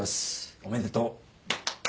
おめでとう。